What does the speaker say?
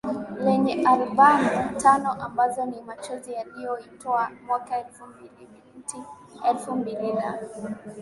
lenye albamu tano ambazo ni Machozi aliyoitoa mwaka elfu mbili Binti elfu mbili na